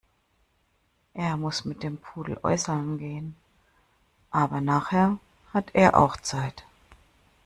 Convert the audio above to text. Er muss mit dem Pudel äußerln gehen, aber nachher hat er auch Zeit.